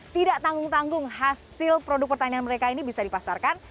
tidak tanggung tanggung hasil produk pertanian mereka ini bisa dipasarkan